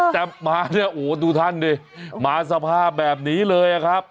แต่มาเนี่ยโอ้โหดูท่านดิมาสภาพแบบนี้เลยอะครับ